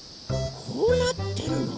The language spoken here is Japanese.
こうなってるの？